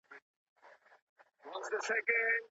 د آمو سیند کوچنی نه دی.